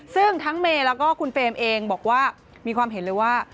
ซึ่งทั้งเมย์แล้วก็คุณเฟรมเองบอกว่ามีความเห็นเลยว่า